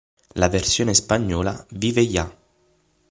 La versione spagnola "Vive ya!